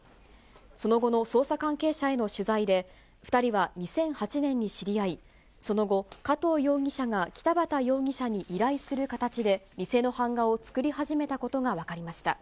その後の捜査関係者への取材で２人は２００８年に知り合い、その後、加藤容疑者が北畑容疑者に依頼する形で、偽の版画を作り始めたことが分かりました。